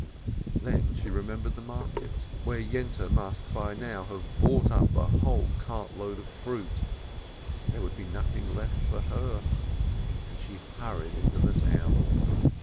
Then she remembered the market, where Yente must by now have bought up the whole cart load of fruit. There would be nothing left for her, and she hurried into the town.